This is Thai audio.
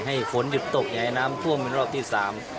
ให้ฝนหยุดตกอยากให้น้ำท่วมเป็นรอบที่สาม